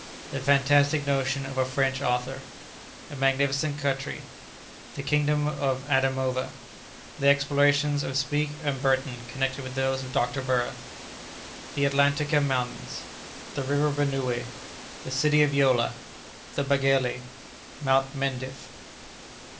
—The Fantastic Notion of a French Author.—A Magnificent Country.—The Kingdom of Adamova.—The Explorations of Speke and Burton connected with those of Dr. Barth.—The Atlantika Mountains.—The River Benoué.—The City of Yola.—The Bagélé.—Mount Mendif.